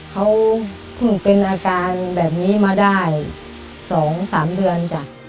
เขาเพิ่งเป็นอาการแบบนี้มาได้๒๓เดือนจ้ะ